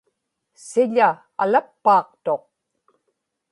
siḷa alappaaqtuq